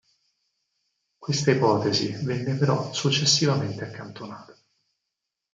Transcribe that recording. Questa ipotesi venne però successivamente accantonata.